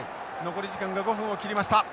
残り時間が５分を切りました。